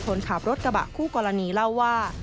คนขับรถกระบะคู่กรณีเล่าว่า